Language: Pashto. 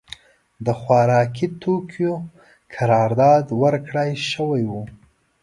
د خوارکي توکیو قرارداد ورکړای شوی و.